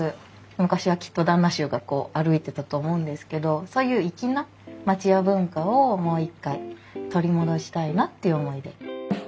昔はきっと旦那衆が歩いてたと思うんですけどそういう粋な町家文化をもう一回取り戻したいなっていう思いで。